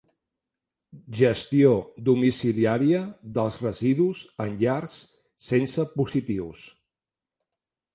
Gestió domiciliària dels residus en llars sense positius.